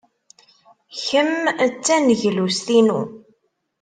Kemm d taneglust-inu.